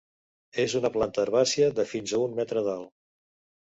És una planta herbàcia de fins a un metre d'alt.